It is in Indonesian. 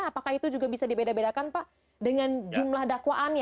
apakah itu juga bisa dibedakan pak dengan jumlah dakwaannya